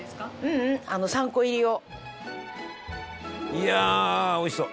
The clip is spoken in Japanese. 「いやーおいしそう！」